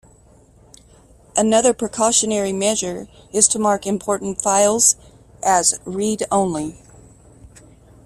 Another precautionary measure is to mark important files as read-only.